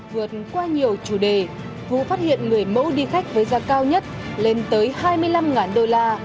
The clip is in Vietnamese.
vượt qua nhiều chủ đề vũ phát hiện người mẫu đi khách với giá cao nhất lên tới hai mươi năm đô la